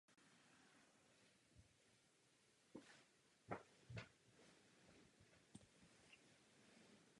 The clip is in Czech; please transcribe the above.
Bez zajímavosti jistě není ani vznik buddhistických center.